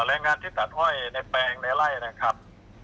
แรงงานที่ตัดห้อยในแปลงในไล่นะครับ